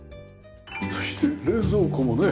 そして冷蔵庫もね。